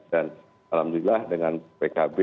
dan alhamdulillah dengan pkb